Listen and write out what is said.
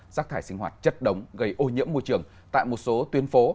rác thải sinh hoạt chất đống gây ô nhiễm môi trường tại một số tuyến phố